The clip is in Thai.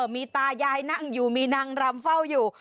มีตายายนั่งอยู่มีนางรำเฝ้าอยู่